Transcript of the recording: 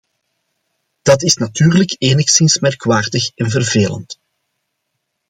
Dat is natuurlijk enigszins merkwaardig en vervelend.